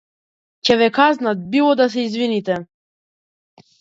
Ќе ве казнат било да се извините.